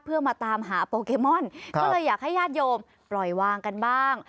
เพื่อมาตามหาโปเกมอนก็เลยอยากให้ญาติโยมปล่อยวางกันบ้าง